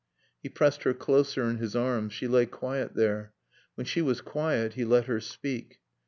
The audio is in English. He pressed her closer in his arms. She lay quiet there. When she was quiet he let her speak.